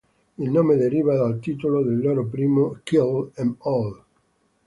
Il nome deriva dal titolo del loro primo disco "Kill 'Em All".